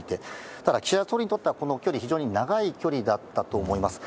ただ、岸田総理にとっては長い距離だったと思います。